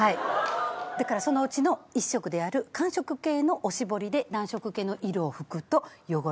だからそのうちの１色である寒色系のお絞りで暖色系の色を拭くと汚れが分かりやすい。